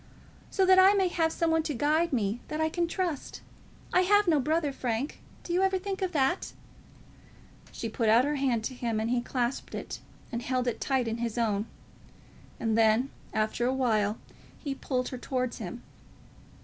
"So that I may have some one to guide me that I can trust. I have no brother, Frank; do you ever think of that?" She put out her hand to him, and he clasped it, and held it tight in his own; and then, after a while, he pulled her towards him.